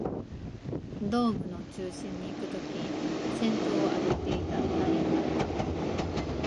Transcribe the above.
ドームの中心にいくとき、先頭を歩いていた隊員だった